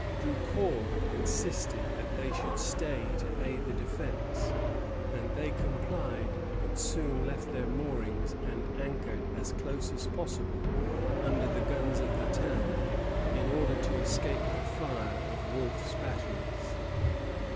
Drucour insisted that they should stay to aid the defence, and they complied; but soon left their moorings and anchored as close as possible under the guns of the town, in order to escape the fire of Wolfe's batteries.